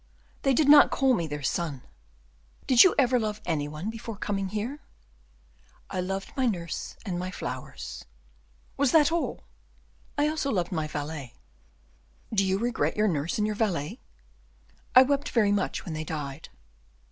"They did not call me their son." "Did you ever love any one before coming here?" "I loved my nurse, and my flowers." "Was that all?" "I also loved my valet." "Do you regret your nurse and your valet?" "I wept very much when they died."